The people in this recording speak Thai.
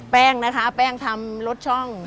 แป้งนะคะแป้งทำรสช่อง